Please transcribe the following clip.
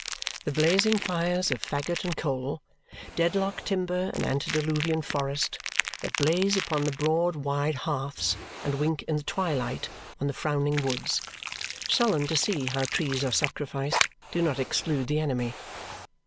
The blazing fires of faggot and coal Dedlock timber and antediluvian forest that blaze upon the broad wide hearths and wink in the twilight on the frowning woods, sullen to see how trees are sacrificed, do not exclude the enemy.